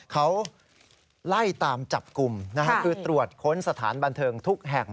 เขาไล่ตามจับกลุ่มคือตรวจค้นสถานบันเทิงทุกแห่ง